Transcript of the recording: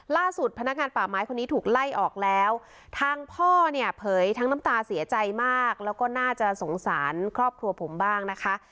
พนักงานป่าไม้คนนี้ถูกไล่ออกแล้วทางพ่อเนี่ยเผยทั้งน้ำตาเสียใจมากแล้วก็น่าจะสงสารครอบครัวผมบ้างนะคะ